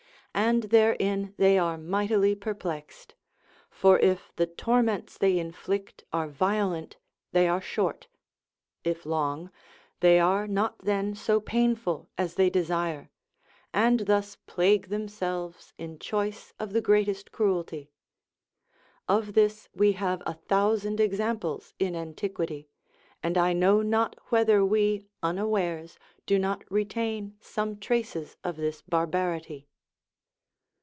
And therein they are mightily perplexed; for if the torments they inflict are violent, they are short; if long, they are not then so painful as they desire; and thus plague themselves in choice of the greatest cruelty. Of this we have a thousand examples in antiquity, and I know not whether we, unawares, do not retain some traces of this barbarity.